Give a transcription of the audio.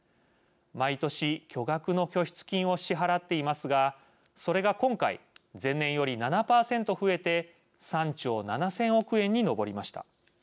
毎年巨額の拠出金を支払っていますがそれが今回、前年より７％増えて３兆７０００億円に上りました。